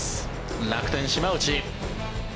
楽天、島内。